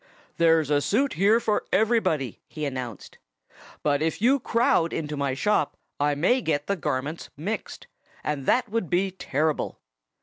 "There's a suit here for everybody," he announced. "But if you crowd into my shop I may get the garments mixed. And that would be terrible."